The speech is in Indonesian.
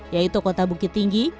yaitu kota bukit tinggi